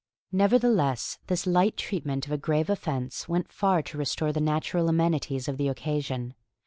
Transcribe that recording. Nevertheless, this light treatment of a grave offence went far to restore the natural amenities of the occasion.